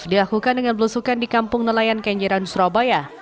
diakukan dengan belusukan di kampung nelayan kenjiran surabaya